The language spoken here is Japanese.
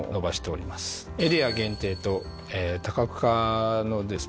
エリア限定と多角化のですね